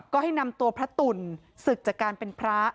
ก็ให้นำตัวพระตุ่นศึกจากการเป็นพระ